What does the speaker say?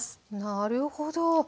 なるほど。